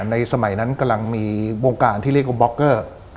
ในสมัยนั้นกำลังมีวงการที่เรียกว่าบล็อกเกอร์